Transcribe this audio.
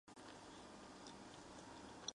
岳灰蝶属是灰蝶科眼灰蝶亚科中的一个属。